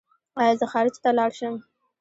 ایا زه خارج ته لاړ شم؟